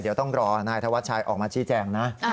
เดี๋ยวต้องรอนายธวัชชัยออกมาชี้แจงนะ